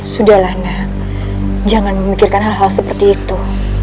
sudahlah nak jangan memikirkan hal hal seperti itu